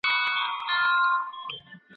محصلینو ته باید د شعر جوړښت وښودل سي.